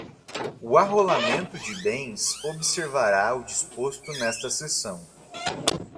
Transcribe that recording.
O arrolamento de bens observará o disposto nesta Seção